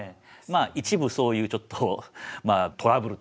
一部そういうちょっとトラブルとかですね